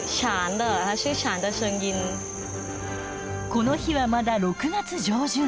この日はまだ６月上旬。